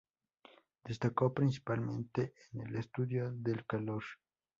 Destacó principalmente en el estudio del calor.